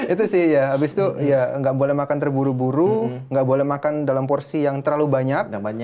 itu sih ya abis itu ya nggak boleh makan terburu buru nggak boleh makan dalam porsi yang terlalu banyak